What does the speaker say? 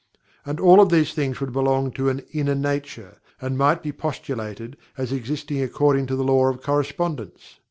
And all of these things would belong to an "Inner Nature," and might be postulated as existing according to the Law of Correspondence.